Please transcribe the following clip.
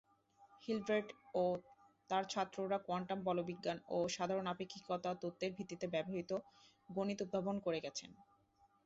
Hilbert ও তার ছাত্ররা কোয়ান্টাম বলবিজ্ঞান ও সাধারণ আপেক্ষিকতা তত্ত্বের ভিত্তিতে ব্যবহৃত গণিত উদ্ভাবন করে গেছেন।